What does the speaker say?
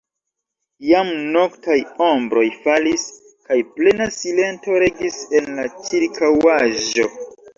Jam noktaj ombroj falis, kaj plena silento regis en la ĉirkaŭaĵo.